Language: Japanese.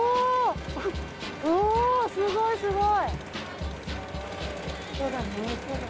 うおっすごいすごい。